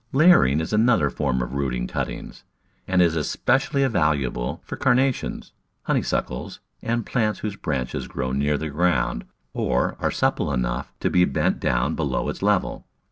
Layering is another form of rooting cuttings, and is especially valuable for Carnations, Honeysuckles, and plants whose branches grow near the ground or are supple enough to be bent down below its level.